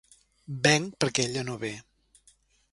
Venc perquè ella no ve.